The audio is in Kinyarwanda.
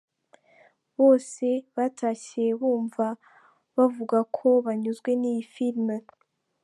Bose batashye wumva bavuga ko banyuzwe n’iyi film.